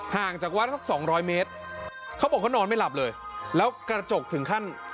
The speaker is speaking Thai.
ห่างจากวัดสักสองร้อยเมตรเขาบอกเขานอนไม่หลับเลยแล้วกระจกถึงขั้น